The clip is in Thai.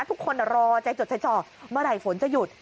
ทุกคนรอใจจดใจจ่อเมื่อไหร่ฝนจะหยุด